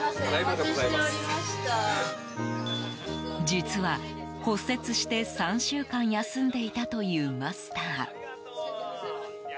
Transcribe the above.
実は骨折して３週間休んでいたというマスター。